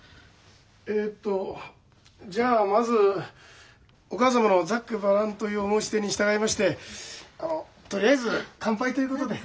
えっとじゃあまずお母様の「ざっくばらん」というお申し出に従いましてあのとりあえず乾杯ということで。